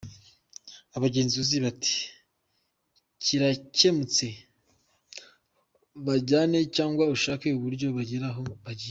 Abagenzuzi bati “kirakemutse ! Bajyane cyangwa ushake uburyo bagera aho bagiye.